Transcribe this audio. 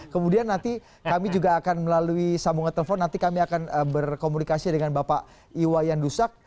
kemudian nanti kami juga akan melalui sambungan telepon nanti kami akan berkomunikasi dengan bapak iwayan dusak